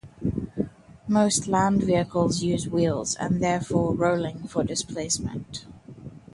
Most land vehicles use wheels and therefore rolling for displacement.